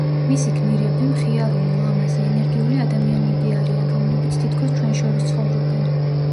მისი გმირები, მხიარული, ლამაზი, ენერგიული ადამიანები არიან, რომლებიც თითქოს ჩვენ შორის ცხოვრობენ.